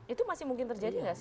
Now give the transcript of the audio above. itu masih mungkin terjadi nggak sih